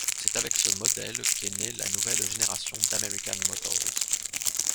C'est avec ce modèle qu'est née la nouvelle génération d'American Motors.